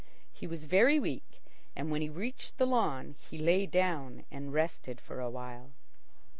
He was very weak, and when he reached the lawn he lay down and rested for a while.